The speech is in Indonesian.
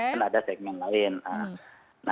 dan ada segmen lain